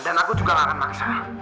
dan aku juga lakan bangsa